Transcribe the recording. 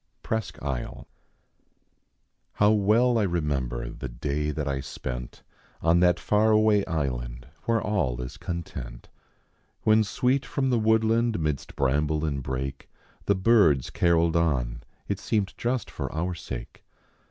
PKliSQUh 1S1.L: How well I remember the day that 1 spent On that far awav island where all is content ; When sweet from the woodland, midst bramble and brake, The birds caroled on it seemed just for our sake.